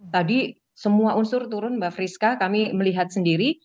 tadi semua unsur turun mbak friska kami melihat sendiri